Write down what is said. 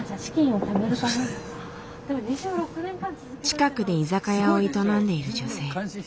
近くで居酒屋を営んでいる女性。